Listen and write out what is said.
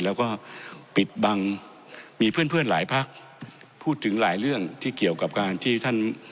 แล้วก็ปิดบังมีเพื่อนเพื่อนหลายพักพูดถึงหลายเรื่องที่เกี่ยวกับการที่ท่าน